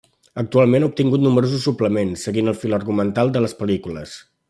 Actualment ha obtingut nombrosos suplements, seguint el fil argumental de les pel·lícules.